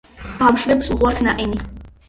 ბავშვებს უყვართ ნაყინი